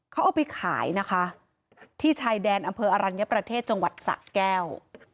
เขาเอาไปขายนะคะที่ชายแดนอำเภออรัญญประเทศจังหวัดสะแก้ว